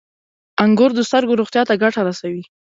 • انګور د سترګو روغتیا ته ګټه رسوي.